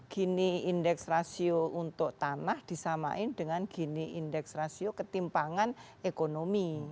kini indeks rasio untuk tanah disamakan dengan kini indeks rasio ketimpangan ekonomi